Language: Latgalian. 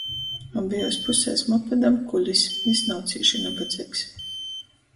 Obejuos pusēs mopedam kulis. Jis nav cīši nabadzeigs.